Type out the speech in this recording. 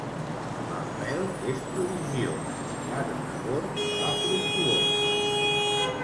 L'empelt és prodigiós: l'arbre bord fa fructuós.